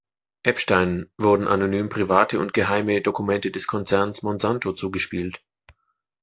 Epstein wurden anonym private und geheime Dokumente des Konzerns Monsanto zugespielt.